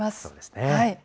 そうですね。